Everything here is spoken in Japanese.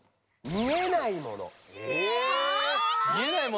見えないもの？